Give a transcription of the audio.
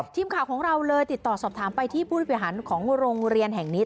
ทีมข่าวของเราเลยติดต่อสอบถามไปที่ผู้บริหารของโรงเรียนแห่งนี้